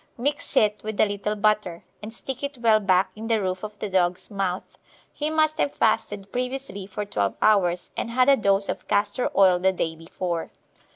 Mix it with a little butter, and stick it well back in the roof of the dog's mouth. He must have fasted previously for twelve hours, and had a dose of castor oil the day before.